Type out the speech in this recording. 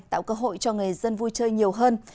tạo cơ hội cho người dân vui chơi nhiều hơn